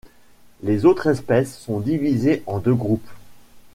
Les autres espèces sont divisées en deux groupes.